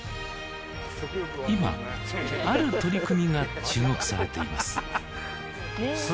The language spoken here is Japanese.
今ある取り組みが注目されています